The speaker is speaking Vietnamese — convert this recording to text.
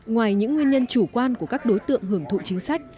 ngoài những nguyên nhân chủ quan của các đối tượng hưởng thụ chính sách